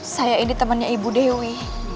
saya ini temannya ibu dewi